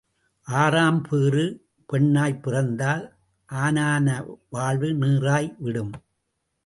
ஆறாம் பேறு பெண்ணாய்ப் பிறந்தால் ஆனான வாழ்வு நீறாய் விடும்.